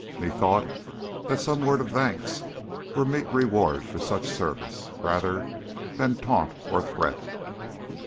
Methought that some word of thanks were meet reward for such service, rather than taunt or threat.